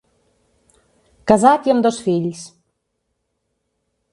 Casat i amb dos fills.